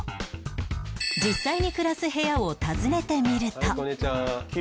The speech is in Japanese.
実際に暮らす部屋を訪ねてみると